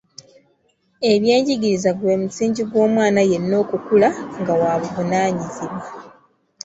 Ebyenjigiriza gwe musingi gw’omwana yenna okukula nga wa buvunaanyizibwa.